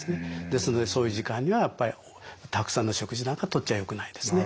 ですのでそういう時間にはたくさんの食事なんかとっちゃよくないですね。